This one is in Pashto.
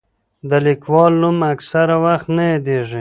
د لیکوال نوم اکثره وخت نه یادېږي.